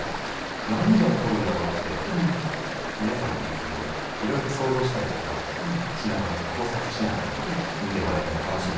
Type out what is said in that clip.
何が起こるんだろうって皆さんも色々と想像したりとかしながら考察しながら見てもらえたら楽しいんじゃないかなと思います。